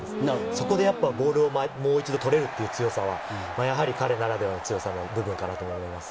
そこでボールをもう一度取れるという強さはやはり彼ならではの強さの部分かなと思います。